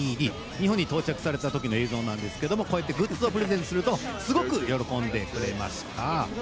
日本に到着された時の映像ですがこうやってグッズをプレゼントするとすごく喜んでくれました。